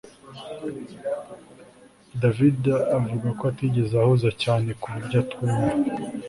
David avuga ko atigeze ahuze cyane ku buryo atumva